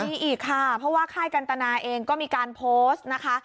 มีอีกค่ะเพราะว่าค่ายกันตนาเองก็มีการโพสต์นะคะ